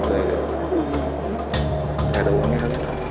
saya ada uangnya